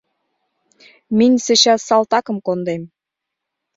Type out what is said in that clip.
Минь сейчас салтакым кондем.